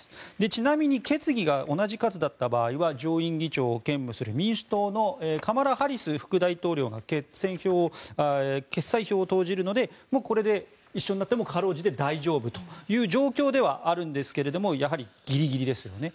ちなみに決議が同じ数だった場合は上院議長を兼務する、民主党のカマラ・ハリス副大統領が決裁票を投じるので一緒になってもかろうじて大丈夫という状況ではあるんですけどもやはり、ギリギリですよね。